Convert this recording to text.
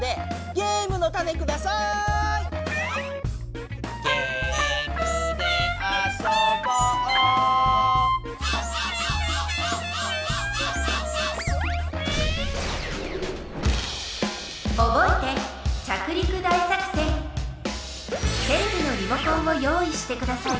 「ゲームで遊ぼう」テレビのリモコンを用意してください。